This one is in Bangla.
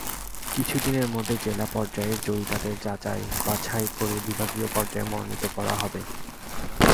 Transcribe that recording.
কিছুদিনের মধ্যে জেলা পর্যায়ের জয়িতাদের যাচাই-বাছাই করে বিভাগীয় পর্যায়ে মনোনীত করা হবে।